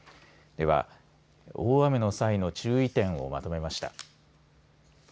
では大雨の際の注意点をまとめました。